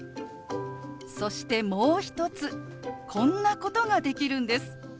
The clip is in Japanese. そしてもう一つこんなことができるんです。